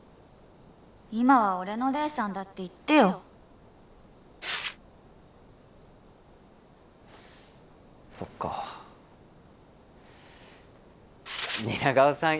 今は俺の黎さんだって言ってよそっか蜷川さん